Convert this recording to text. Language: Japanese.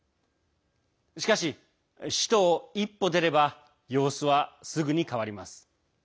しかし、首都を一歩出れば様子はすぐに変わります。